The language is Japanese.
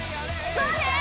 そうです！